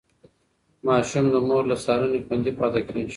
ماشوم د مور له څارنې خوندي پاتې کېږي.